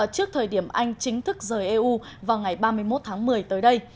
trước thời điểm anh chính thức rời eu vào ngày ba mươi một tháng một mươi tới đây